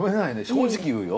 正直言うよ？